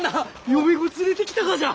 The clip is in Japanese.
嫁御連れてきたがじゃ！？